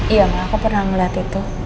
iya aku pernah melihat itu